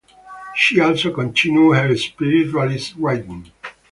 She also continued her spiritualist writing.